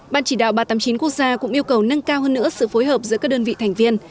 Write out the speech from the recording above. ban chỉ đạo ba trăm tám mươi chín quốc gia cũng yêu cầu nâng cao hơn nữa sự phối hợp giữa các đơn vị thành viên